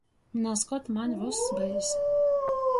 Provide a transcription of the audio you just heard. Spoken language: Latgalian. Nazkod maņ vyss byus.